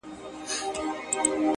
o ستا په تعويذ كي به خپل زړه وويني ـ